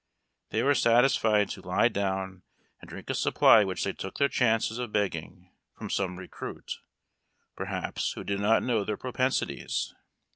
They were satis fied to lie down and drink a supply which thev took their chances of beo^ging, from GOING AFTER WATER. ^^"^J ""^ »0 »' some recruit, perhaps, who did not know their propensities.